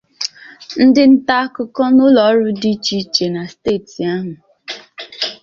ndị nta akụkọ na ụlọọrụ dị iche iche na steeti ahụ